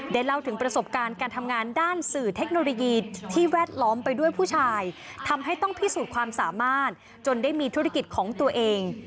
เล่าถึงประสบการณ์การทำงานด้านสื่อเทคโนโลยีที่แวดล้อมไปด้วยผู้ชายทำให้ต้องพิสูจน์ความสามารถจนได้มีธุรกิจของตัวเอง